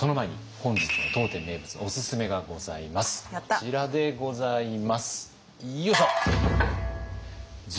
こちらでございますよいしょ！